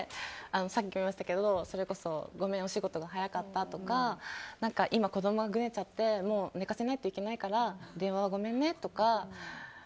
さっきも言いましたけどＬＩＮＥでそれこそごめん、お仕事が早かったとか今、子供がごねちゃって寝かせないといけないから電話はごめんねとか。